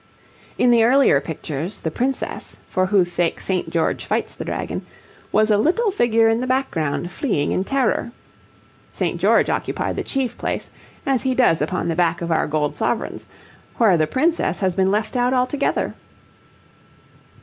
In the earlier pictures, the princess, for whose sake St. George fights the dragon, was a little figure in the background fleeing in terror. St. George occupied the chief place, as he does upon the back of our gold sovereigns, where the princess has been left out altogether.